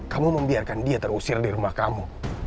kamu membiarkan dia terusir di rumah kamu